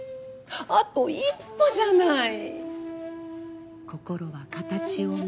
あと一歩じゃない。